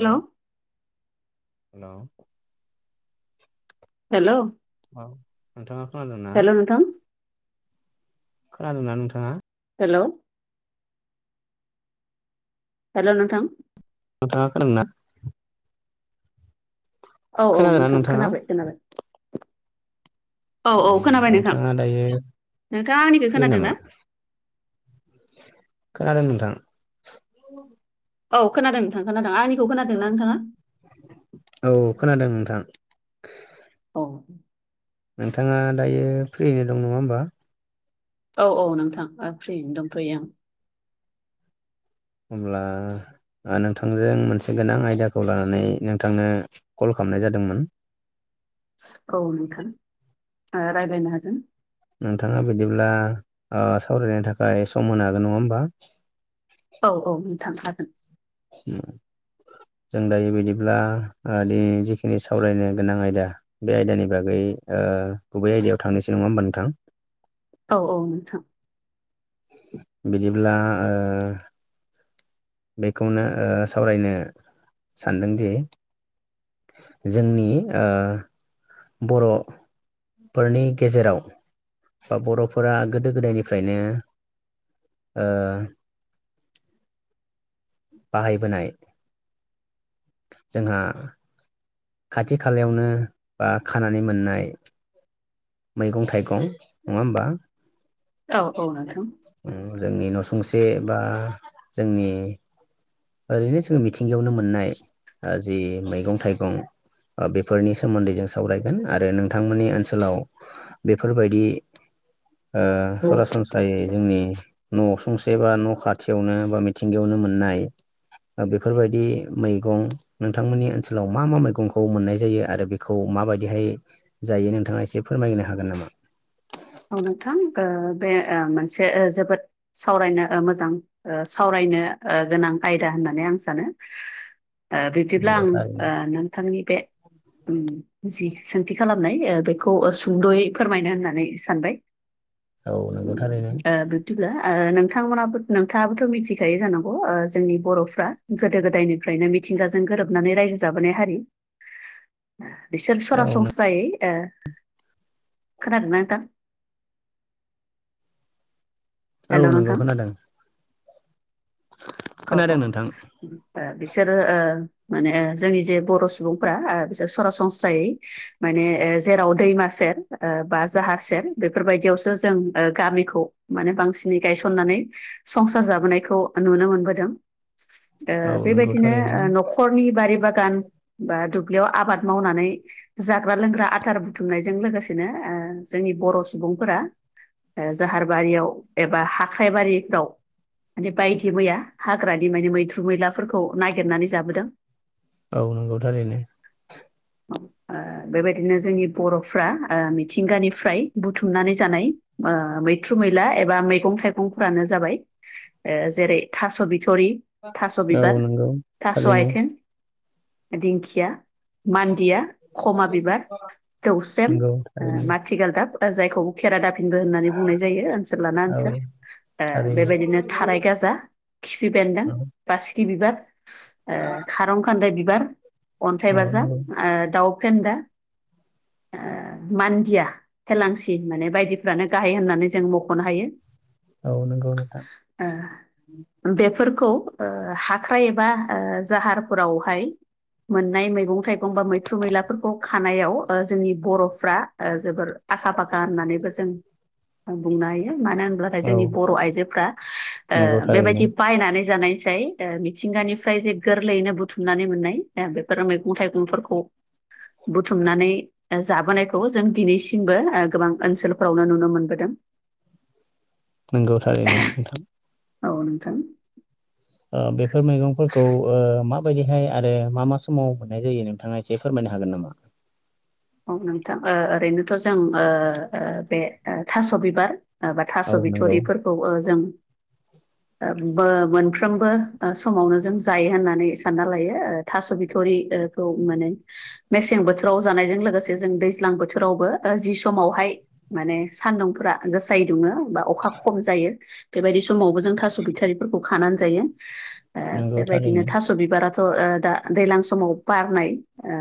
हेल' hello hello औ नोंथाङा खोनादों ना? हेल' नोंथां खोनादोंना नोंथाङा? हेल' हेल' नुथां मथाङ खालाम ना औ औ खोनादोंना नोंथां नोंथाङा खोनाबाय खोनाबाय औ औ खोनाबाय नोंथां नोंथाङा दायो नोंथाङा आंनिखौ फ्रि खोनादों ना नामा खाल नथां औ खोनादों नोंथां खोनादों आंनिखौ खोनादों ना नोंथाङा? औ खोनादों नोंथां। औ नोंथाङा दायो फ्रियैनो दं नङा होमबा औ औ नोंथां आं फ्रियैनो दंथै ओं। हब्ला नोंथांजों मोनसे गोनां आयदाखौ लानानै नोंथांनो कल खालामनाय जादोंमोन औ नोंथां रायज्लायनो हागोन। नोंथाङा बिदिब्ला ओ सावरायनायनि थाखाय सम होनो हागोन नङा होमबा औ औ नोंथांखागोन [inaudible] जों दायोबायदिब्ला [unintelligible] जिखिनि सावरायनो गोनां आयदा बे आयदानि बागै ओ गुबै आयदायाव थांनोसो नङा होमबा नोंथां औ औ नोंथां बिदिब्ला बेखौनो सावरायनो सानदोंदि जोंनि ओ बर' फोरनि गेजेराव बा बर'फोरा गोदो गोदायनिफ्रायनो ओ बाहायबोनाय जोंहा खाथि खालायावनो बा खानानै मोननाय मैगं थाइगं नङा होमबा औ औ नोंथां जोंनि न' सुंसे बा जोंनि ओरैनो जोङो मिथिंगायावनो मोननाय जि मैगं थाइगं बेफोरनि सोमोन्दै जों सावरायगोन आरो नोंथांमोननि ओनसोलाव बेफोरबायदि ओ सरासनस जाय जोंनि न' सुंसे बा न' खाथियावनो बा मिथिंगायावनो मोननाय बेफोरबायदि मैगं नोंथांमोननि ओनसोलाव मा मा मैगंखौ मोननाय जायो आरो बे खौ माबायदिहाय जायो नोंथाङा एसे फोरमायनो हागोन नामा? औ नोंथां बे मोनसे जोबोद सावरायनो ओ मोजां सावरायनो गोनां आयदा होननानै आं सानो ओ‌ बिदिब्ला नंगौ आं थारैनो ओ नोंथांनि बे जि सोंथि खालामनाय बेखौ सुंद'यै फोरमायनो होननानै सानबाय औ नंगौथारै नों बिदिब्ला नोंथांमोनाबो नोंथाङाबोथ' मिथिखायो जानांगौ ओ जोंनि बर'फ्रा गोदो गोदायनिफ्रायनो मिथिंगाजों गोरोबनानै रायजो जाबोनाय हारि [inaudible] बिसोर औ सरासनस्रायै ओ खोनादोंना नोंथां? औ हेल' नंगौ नोंथां खोनादों। औ -औ खोनादों ओ नोंथां बिसोरो ओ माने जोंनि जे बर' सुबुंफ्रा ओ बिसोर सरासनस्रायै माने ओ जेराव दैमा सेर ओ बा जाहा सेर बेफोरबायदियावसो जों गामिखौ माने बांसिनै गायसननानै संसार जाबोनायखौ नुनो मोनबोदों। ओ औ नंगौ बेबायदिनो थारैनो ओ न'खरनि बारि बागान बा दुब्लियाव आबाद मावनानै जाग्रा लोंग्रा आथार बुथुमनायजों लोगोसेनो ओ जोंनि बर' सुबुंफोरा ओ जाहारबारियाव एबा हाख्राइबारिफ्राव माने बायदि मैया हाग्रानि माने मैथ्रु मैलाफोरखौ नागिरनानै जाबोदों। औ नंगौ थारैनो। ओ बेबायदिनो जोंनि बर'फ्रा ओ मिथिंगानिफ्राय बुथुमनानै जानाय ओ मैथ्रु मैला एबा मैगं थाइगंफोरानो जाबाय ओ जेरै थास' बिथ'रि थास' औ बिबार नंगौ थास' थारैनो आयथें दिंखिया मान्दिया खमा बिबार जौस्रेम नंगौ ओ थारैनो माथिगालदाब जायखौ केेरादाफिनबो होननानै बुंनाय जायो ओनसोल लाना औ ओनसोल। ओ थारैनो बेबायदिनो थाराय गाजा खिफि बेन्दों औ बासिखि बिबार ओ खारं खान्दाय बिबार अन्थाइ औ नंगौ बाजाब ओ दाउ फेन्दा ओ मान्दिया हेलांसि माने बायदिफ्रानो गाहाय होननानै जों मख'नो हायो। औ नों गावनो ओ बेफोरखौ ओ हाख्राइ एबा ओ जाहारफोरावहाय मोननाय मैगं- थाइगं बा मैथ्रु मैलाफोरखौ खानायाव ओ जोंनि बर'फ्रा ओ जोबोर आखा -फाखा होननानैबो जों बुंनो हायो मानो होनब्ला औ जोंनि बर' आइजोफ्रा ओ नंगौ बेबाय थारैनो बायनानै जानायसाय ओ मिथिंगानिफ्राय जे गोरलैयैनो बुथुमनानै मोननाय ओ बे मैगं- थाइगंफोरखौ बुथुमनानै ओ जाबोनायखौबो जों दिनैसिमबो ओ गोबां ओनसोलफोरावनो नुनो मोनबोदों। नंगौ थारैनो नोंथां। औ नोंथां। ओ बेफोर मैगंफोरखौ ओ माबायदिहाय आरो मा मा समाव मोननाय जायो नोंथाङा एसे फोरमायनो हागोन नामा औ नोंथां ओ ओरैनोथ' जों ओ -ओ बे थास' बिबार एबा औ थास' नंगौ बिथ'रिफोरखौ ओ जों ओ बो मोनफ्रोमबो समावनो जों जायो होननानै सानना लायो ओ थास' बिथ'रिखौ माने मेसें बोथोराव जानायजों लोगो से जों दैज्लां बोथोरावबो जि समावहाय माने सान्दुंफोरा गोसायै दुङो बा अखा खम जायो बेबायदि समावबो जों थास' बिथारिफोरखौ खानानै जायो। ओ नंगौ बेबायदिनो थारैनो थास' बिबाराथ' दा दैलां समाव बारनाय ओ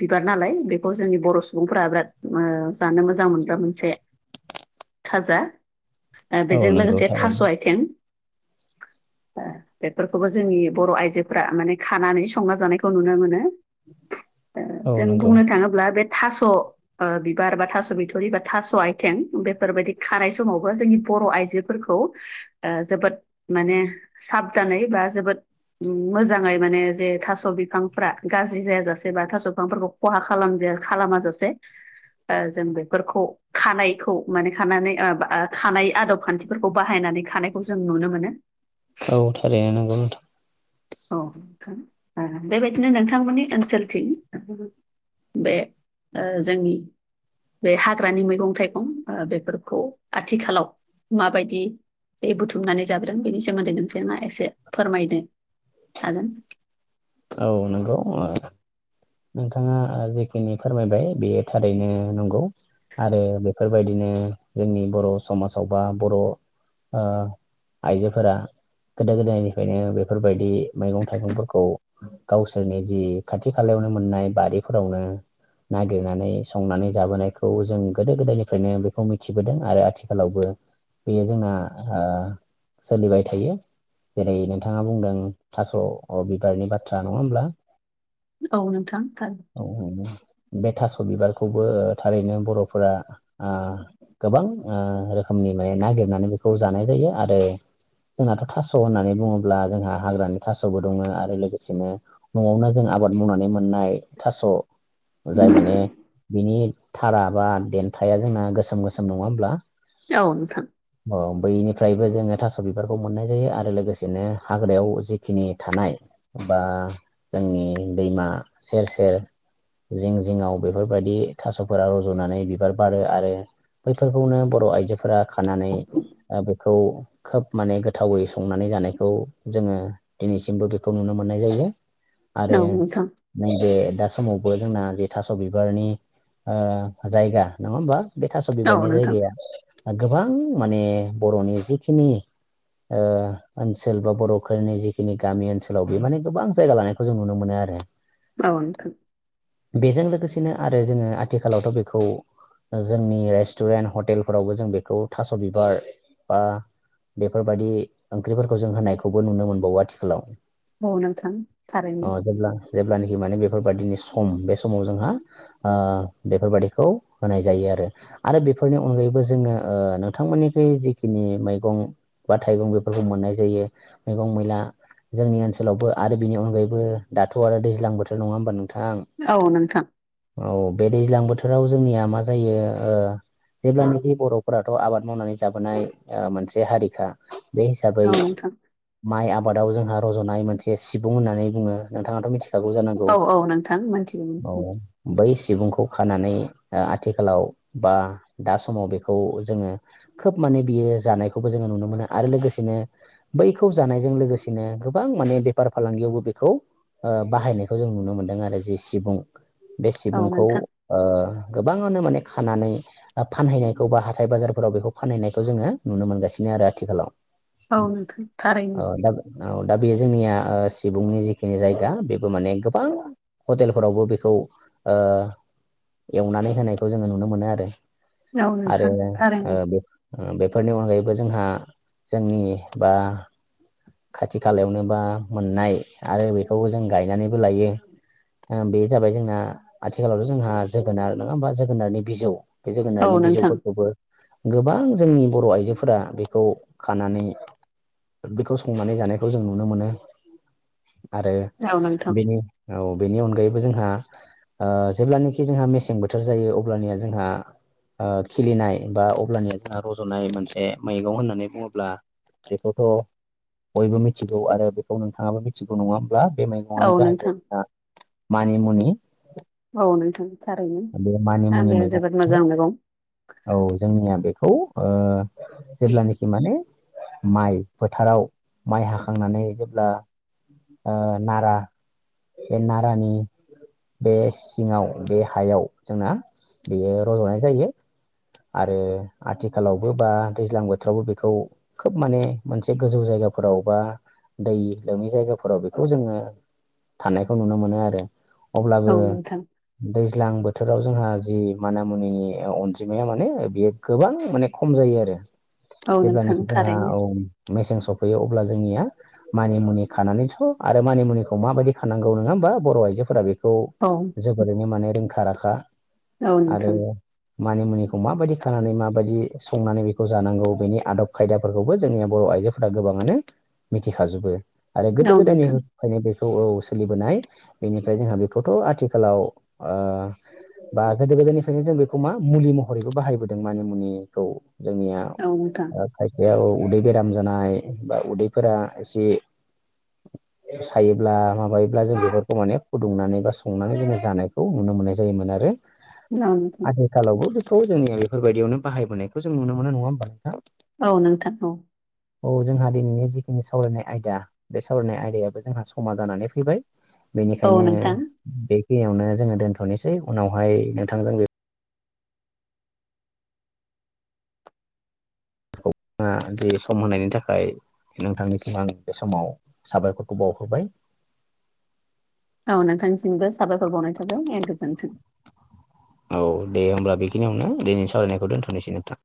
बिबार नालाय बे जोंनि बर' सुबुंफोरा बिराद ओ जानो मोजां मोनग्रा मोनसे थाजा ओ औ बेजों नंगौ लोगोसे थारैनो थास' आइथें ओ बेफोरखौबो जोंनि बर' आइजोफोरा माने खानानै संना जानायखौ नुनो मोनो। ओ औ जों नंगौ बुंनो थाङोब्ला बे थास' ओ बिबार बा थास' बिथ'रि बा थास' आइथें बेफोरबायदि खाराय समावबो जोंनि बर' आइजो फोरखौ ओ जोबोद माने साबदानै बा जोबोद उम मोजाङै माने जे थास' बिफांफ्रा गाज्रि जायाजासे बा थास' फांफोरखौ खहा खालामजाया खालामा जासे ओ! जों बेफोरखौ खानायखौ माने खानानै खानाय आदब खान्थि फोरखौ बाहायनानै खानायखौ जों नुनो मोनो औ थारिनो नोंगौ नोंथां औ नोंथां औ बेबायदिनो नोंथांमोननि ओनसोलथिं बे ओ जोंनि बे हाग्रानि मैगं थाइगं बेफोरखौ आथिखालाव माबायदि बे बुथुमनानै जाबोदों बेनि सोमोन्दै नोंथाङा एसे फोरमायदो थागोन औ नंगौ नोंथाङा जेखिनि फोरमायबाय बेयो थारैनो नंगौ आरो बेफोरबायदिनो जोंनि बर' समाजाव बा बर' ओ आइजोफोरा गोदो गोदायनिफ्रायनो बेफोरबायदि मैगं थाइगंफोरखौ गावसोरनि जि खाथि खालायावनो मोननाय बारिफोरावनो नागिरनानै संनानै जाबोनायखौ जों गोदो गोदायनिफ्रायनो बेखौ मिथिबोदों आरो आथिखालावबो बेयो जोंना ओ! सोलिबाय थायो जेरै नोंथाङा बुंदों थास' बिबारनि बाथ्रा नङा होमब्ला? औ नोंथां थार औ औ बे थास' बिबारखौबो थारैनो बर'फोरा आ गोबां आ रोखोमनि माने नागिरनानै बेखौ जानाय जायो आरो जोंहाथ' थास' होननानै बुङोब्ला जोंहा हाग्रानि थास'बो दङ आरो लोगोसे सेनो न'आवनो जों आबाद मावनानै मोननाय थास' जाय माने बिनि धारा बा देन्थाया जोंना गोसोम गोसोम नङा होमब्ला? औ नोंथां अ बैनिफ्रायबो जोङो थास' बिबारखौ मोननाय जायो आरो लोगोसेनो हाग्रायाव जिखिनि थानाय बा जोंनि दैमा सेर सेर जिं जिङाव बेफोरबायदि थास'फोरा रज'नानै बिबार बारो आरो बैफोरखौनो बर' आइजोफोरा खानानै बेखौ खोब माने गोथावै संनानै जानायखौ जोङो दिनैसिमबो बे खौ नुनो मोननाय जायो आरो औ नोंथां नैबे दा समावबो जोंना जे थास' बिबारनि ओ जायगा नङा होमबा? बे थास' औ बिबारनि जायगाया गोबां माने बर'नि जिखिनि ओ ओनसोल बा बर'फोरनि जिखिनि गामि ओन ओनसोलाव बे माने गोबां जायगा लानायखौ जों नुनो मोनो आरो औ नोंथां बेजों लोगोसेनो आरो जोङो आथिखालावथ' बेखौ जोंनि रेस्टुरेन्ट हटेलफोरावबो जों बेखौ थास' बिबार बा बेफोर बायदि ओंख्रिफोरखौ जों होनायखौबो नुनो मोनबावो आथिखालाव औ नोंथां नोंथां थारैनो औ जेब्ला जेब्लानोखि माने बेफोरबादिनि सम बे समाव जोंहा ओ बेफोर बादिखौ माने जायो आरो आरो बेफोरनि अनगायैबो जोङो ओ नोंथांमोननिखै जिखिनि मैगं बा थाइगं बेफोरखौ मोननाय जायो मैगं मैला जोंनि ओनसोलावबो आरो बिनि अनगायैबो दाथ' आरो दैज्लां बोथोर नङा होनबा नोंथां? औ नोंथां औ बे दैज्लां बोथोराव जोंनिया मा जायो ओ जेब्लानाखि बर'फोराथ' आबाद मावनानै जाबोनाय ओ मोनसे हारिखा बे हिसाबै औ नोंथां माइ आबादाव जोंहा रज'नाय मोनसे सिबुं होननानै बुङो नोंथाङाथ' मिथि खागौ जानांगौ औ औ नोंथां मोनथियो मोनथियो बै सिबुंखौ खानानै आथिखालाव बा दा समाव बेखौ जोङो खोब माने बियो जानायखौबो जोङो नुनो मोनो आरो लोगोसेनो बैखौ जानायजों लोगोसेनो गोबां माने बेफार फालांगियावबो बेखौ बाहायनायखौ जों नुनो मोन्दों आरो जे सिबुं बे औ सिबुंखौ नोंथां गोबाङानो माने खानानै फानहैनायखौ बा हाथाय बाजारफोराव बेखौ फानहैनायखौ जोङो नुनो मोनगासिनो आरो आथिखालाव औ नोंथां थारैनो औ दा औ दा बेयो जोंनिया सिबुंनि जिखिनि जायगा बेबो माने गोबां हटेलफोरावबो बेखौ ओ एवनानै होनायखौ जोङो नुनो मोनो औ आरो नोंथां आरो थारैनो आ बेफोरनि अनगायैबो जोंहा जोंनि बा खाथि खालायावनोबा मोननाय आरो बेखौबो जों गायनानैबो लायो बे जाबाय जोंना आथिखालावथ' जोंहा जोगोनार नङा होमबा जोगोनारनि बिजौ औ जोगोनादनि नोंथां बिजौफोरखौबो गोबां जोंनि बर' आइजोफोरा बेखौ खानानै बेखौ संनानै जानायखौ जों नुनो मोनो आरो औ नोंथां बेनि औ बेनि अनगायैबो जोंहा ओ जेब्लानोखि जोंहा मेसें बोथोर जायो अब्लानिया जोंहा ओ खिलिनाय बा अब्लानिया जोंहा रज'नाय मोनसे मैगं होननानै बुङोब्ला बेखौथ' बयबो मि मिथिगौ आरो बेखौ नोंथाङाबो मिथिगौ नङा होमब्ला बे औ मैगङानो नोंथां जाहैबाया मानि मनि औ नोंथां थारैनो ह बे जोबोद मैगंखौ मोजां मैगं औ जोंनिया बेखौ ओ जेब्लानाखि माने माइ फोथाराव माइ हाखांनानै जेब्ला ओ नारा ओ नारानि बे सिङाव बे हायाव जोंना बेयो रज'नाय जायो आरो आथिखालावबो बा दैज्लां बोथोरावबो बेखौ खोब माने मोनसे गोजौ जायगाफोरावबा दै लिखाङै जायगाफोराव बेखौ जोङो थानायखौ नुनो मोनो आरो औ अब्लाबो नोंथां दैज्लां बोथोराव जोंहा जि माना -मुनि अनजिमाया माने बेयो गोबां माने खम जायो आरो औ नोंथां जेब्लानाखि जोंहा थारैनो औ मेसें सफैयो अब्ला जोंनिया मानि -मुनि खानानै स' आरो मानिमुनिखौ माबायदि खानांगौ नङा होमबा बर' आइजोफोरा बेखौ औ जोबोरैनो माने रोंखा राखा औ आरो नोंथां मानि मुनिखौ माबायदि खानानै माबायदि संनानै बेखौ जानांगौ बेनि आदब खायदाफोरखौबो जोंनिया बर' आइजो फोर गोबाङानो मिथिखाजोबो आरो गोदो औ गोदायनि नोंथां ओंखायनो बेखौ औ सोलिबोनाय बेनिफ्राय जोंहा बेखौथ' आथिखालाव बा गोदो गोदायनिफ्रायनो जों बेखौ मा मुलि महरैबो बाहायबोदों मानि मुनिखौ जोंनिया औ नोंथां खायसेयाव उदै बेराम जानाय बा उदै फोरा एसे सायोब्ला माबायोब्ला जों बेफोरखौ माने फुदुंनानै बा संनानै जोङो जानायखौ नुनो मोननाय जायोमोन आरो ओं नोंथां आथिखालावबो बेखौ जोंनिया बेफोरबायदियावनो बाहायबायखौ जों नुनो मोनो नङा होमबथा औ नोंथां औ अ जोंहा दिनैनि जिखिनि सावरायनाय आयदा बे सावरायनाय आयदायाबो जोंहा समा जानानै फैबाय औ नोंथां औ बेनिखायनो नोंथां बेखिययावनो जोङो दोनथ'नोसै उनावहाय नोंथांजों बे खौ अ बे सम होनायनि थाखाय नोंथांनिसिम आं बे समाव साबायखरखौ बावहरोबाय औ नोंथांनिसिमबो साबायखर बावनाय थाबाय एन गोजोनथों। औ दे होनब्ला बेखिनियावनो दिनैनि सावरायनायखौ दोनथ'नोसै नोंथां।